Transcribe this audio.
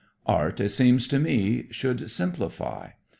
Art, it seems to me, should simplify.